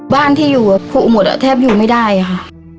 บ้านที่อยู่ภูหมดแทบอยู่ไม่ได้ค่ะ